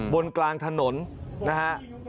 บนกลางถนนนะครับ